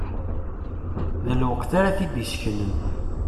D lweqt ara t-id-iseknen.